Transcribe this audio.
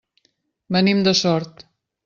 Venim de Sort.